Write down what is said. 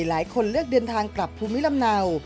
หลายคนเลือกเดินทางกลับภูมิลำเนา